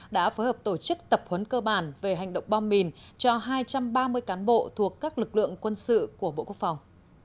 đã phối hợp tổ chức tập huấn cơ bản về hành động bom mìn cho hai trăm ba mươi cán bộ thuộc các lực lượng quân sự của bộ quốc phòng